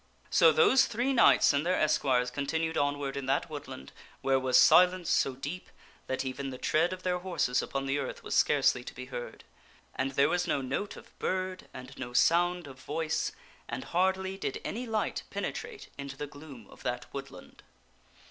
So those three knights and their esquires continued onward in that woodland where was silence so deep that even the tread of their horses upon the earth was scarcely to be heard. And there was no note of bird and no sound of voice and hardly did any light penetrate into the gloom of that woodland.